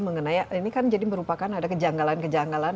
mengenai ini kan jadi merupakan ada kejanggalan kejanggalan